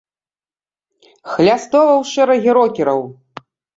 Хлястова ў шэрагі рокераў!